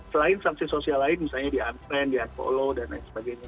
selain sanksi sosial lain misalnya di antren di ancollow dan lain sebagainya